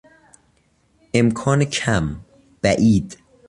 امکان کم، بعید